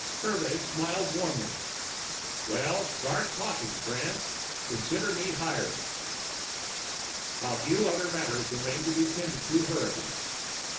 Hervey smiled warmly. "Well, start talking, friend. Consider me hired." A few other matters remained to be tended to hurriedly.